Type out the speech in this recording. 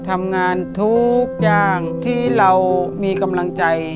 ทำงานทุกอย่างที่เรามีกำลังใจ